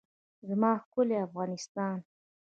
زما ښکلی افغانستان.